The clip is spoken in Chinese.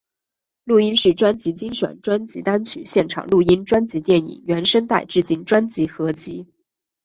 录音室专辑精选专辑单曲现场录音专辑电影原声带致敬专辑合辑